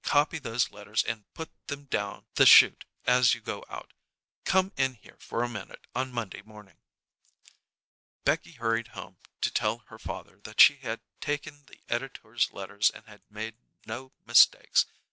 Copy those letters, and put them down the chute as you go out. Come in here for a minute on Monday morning." Becky hurried home to tell her father that she had taken the editor's letters and had made no mistakes.